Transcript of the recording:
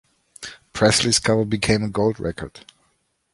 Presley's cover became a gold record.